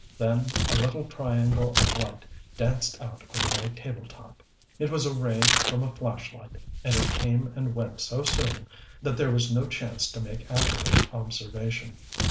Then a little triangle of light danced out over my table top. It was a ray from a flashlight, and it came and went so soon that there was no chance to make accurate observation.